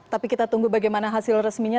tapi kita tunggu bagaimana hasil resminya